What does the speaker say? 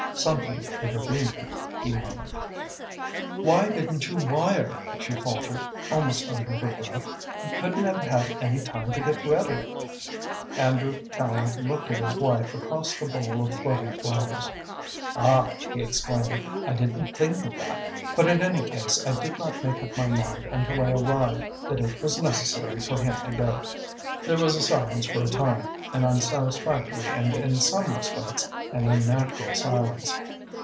"Something intervened," he murmured. "Why didn't you wire?" she faltered, almost under her breath. "He couldn't have had any time to get ready." Andrew Tallente looked at his wife across the bowl of floating flowers. "Ah!" he exclaimed. "I didn't think of that. But in any case I did not make up my mind until I arrived that it was necessary for him to go." There was silence for a time, an unsatisfactory and in some respects an unnatural silence.